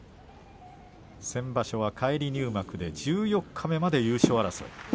先場所は返り入幕で十四日目まで優勝争い。